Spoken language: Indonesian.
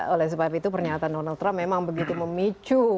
oleh sebab itu pernyataan donald trump memang begitu memicu